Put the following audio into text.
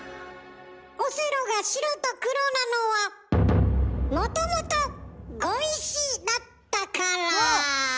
オセロが白と黒なのはもともと碁石だったから。